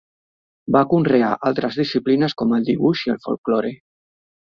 Va conrear altres disciplines, com el dibuix i el folklore.